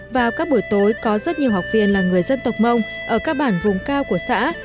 vào các buổi tối có rất nhiều học viên là người dân tộc mông ở các bản vùng cao của xã